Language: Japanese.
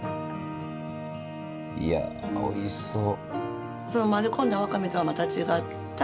いやおいしそう。